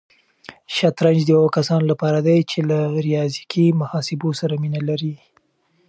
شطرنج د هغو کسانو لپاره دی چې له ریاضیکي محاسبو سره مینه لري.